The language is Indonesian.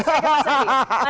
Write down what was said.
saya ke mas adi